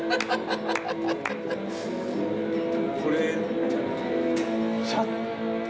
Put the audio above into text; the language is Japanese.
これ。